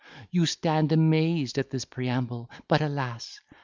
You stand amazed at this preamble, but alas!